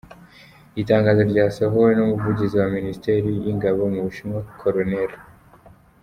Itangazo ryasohowe n’umuvugizi wa Minisiteri y’ingabo w’u Bushinwa, Col.